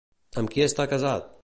Amb qui està casat?